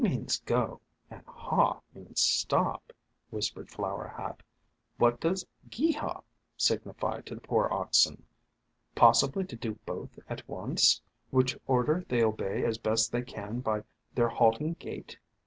means go, and 'haw!' means stop," whispered Flower Hat, "what does 'gee haw!' sig nify to the poor oxen ? Possibly to do both at once, which order they obey as best they can by their halting gait."